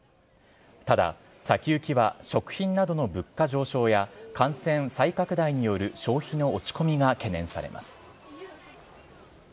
ただ、先行きは食品などの物価上昇や感染再拡大による消費の落ち込みが懸念されます。